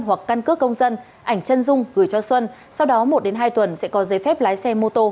hoặc căn cước công dân ảnh chân dung gửi cho xuân sau đó một hai tuần sẽ có giấy phép lái xe mô tô